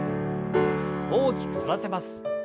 大きく反らせます。